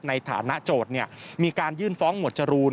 ในฐานะโจทย์มีการยื่นฟ้องหมวดจรูน